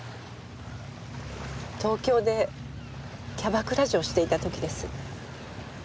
東京でキャバクラ嬢をしていた時です。